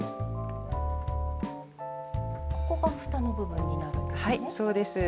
ここがふたの部分になるんですね。